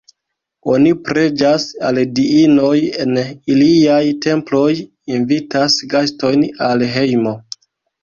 Oni preĝas al diinoj en iliaj temploj, invitas gastojn al hejmo.